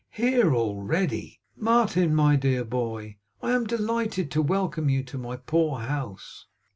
'Here already! Martin, my dear boy, I am delighted to welcome you to my poor house!